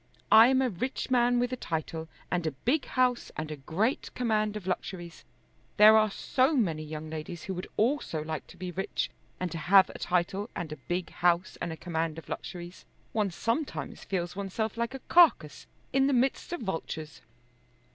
I am a rich man with a title, and a big house, and a great command of luxuries. There are so many young ladies who would also like to be rich, and to have a title, and a big house, and a command of luxuries! One sometimes feels oneself like a carcase in the midst of vultures."